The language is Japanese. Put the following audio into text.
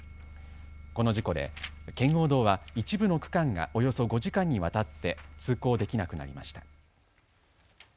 この事故で圏央道は一部の区間がおよそ５時間にわたって通行できなくなりました。